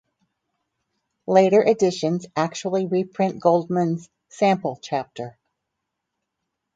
Later editions actually reprint Goldman's "sample chapter".